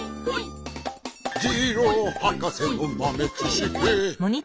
「ジローはかせのまめちしき」